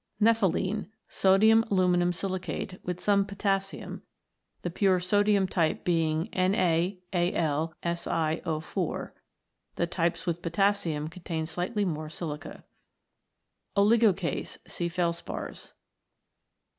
Nepheline. Sodium aluminium silicate, with some potassium, the pure sodium type being NaAlSiO 4 ; the types with potassium contain slightly more silica. Oligoclase. See Felspars.